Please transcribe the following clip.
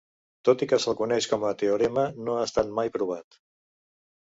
Tot i que se'l coneix com a teorema no ha estat mai provat.